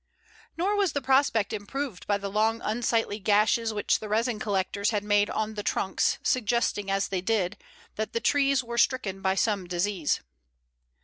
Nor was the prospect improved by the long, unsightly gashes which the resin collectors had made on the trunks, suggesting, as they did, that the trees were stricken by some disease.